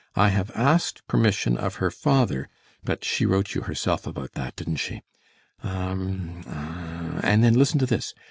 I have asked permission of her father, but she wrote you herself about that, didn't she? um um um And then listen to this!